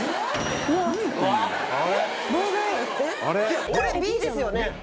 これＢですよね？